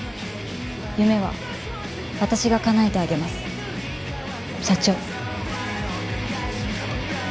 夢は私がかなえてあげます社長。